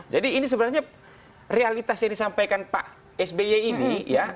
jadi ini sebenarnya realitas yang disampaikan pak sby ini ya